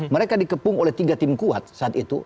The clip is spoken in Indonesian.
mereka dikepung oleh tiga tim kuat saat itu